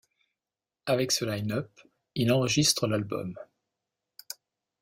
Avec ce line-up, ils enregistrent l'album '.